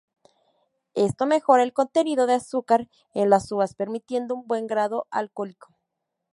Esto mejora el contenido de azúcar en las uvas, permitiendo un buen grado alcohólico.